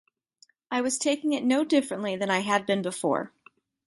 I was taking it no differently than I had been before.